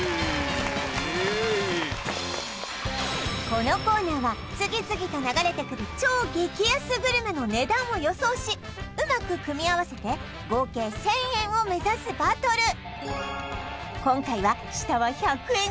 このコーナーは次々と流れてくる超激安グルメの値段を予想しうまく組み合わせて合計１０００円を目指すバトル